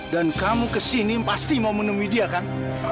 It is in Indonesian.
dan kamu ke sini pasti mau menemui dia kan